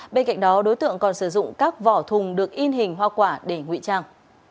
bên cạnh đó đối tượng còn sử dụng các vỏ thùng được in hình hoa quả để ngụy trang